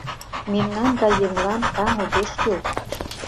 Мемнан гай еҥлан таҥ огеш кӱл.